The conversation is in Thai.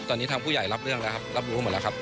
ตอนนี้ทางผู้ใหญ่รับเรื่องแล้วครับรับรู้หมดแล้วครับ